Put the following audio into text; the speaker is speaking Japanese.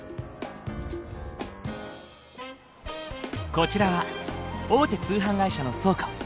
こちらは大手通販会社の倉庫。